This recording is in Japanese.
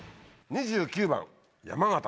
２９番山形。